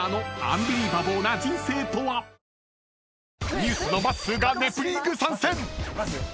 ［ＮＥＷＳのまっすーが『ネプリーグ』参戦！］